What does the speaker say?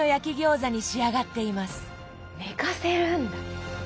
寝かせるんだ。